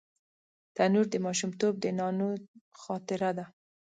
تنور د ماشومتوب د نانو خاطره ده